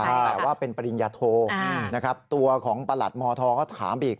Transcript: แต่ว่าเป็นปริญญาโทนะครับตัวของประหลัดมธก็ถามอีก